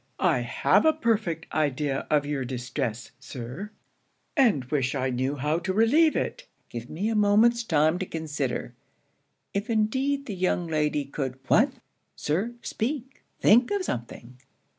'I have a perfect idea of your distress, Sir; and wish I knew how to relieve it. Give me a moment's time to consider; if indeed the young lady could' 'What, Sir? speak! think of something!'